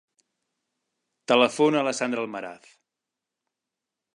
Telefona a la Sandra Almaraz.